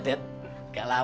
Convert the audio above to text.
dengan luar biasa